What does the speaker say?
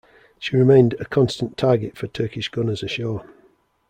She remained a constant target for Turkish gunners ashore.